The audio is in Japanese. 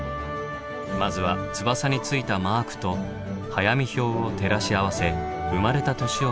まずは翼についたマークと早見表を照らし合わせ生まれた年を確認。